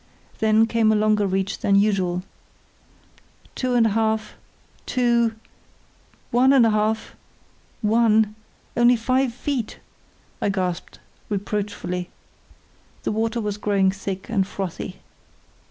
Then came a longer reach than usual. "Two and a half—two—one and a half—one—only five feet," I gasped, reproachfully. The water was growing thick and frothy.